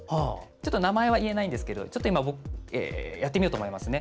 名前はいえないんですけどちょっとやってみようと思います。